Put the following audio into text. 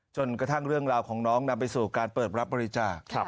จนกระทั่งเรื่องราวของน้องนำไปสู่การเปิดรับบริจาค